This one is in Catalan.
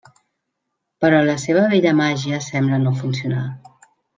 Però la seva vella màgia sembla no funcionar.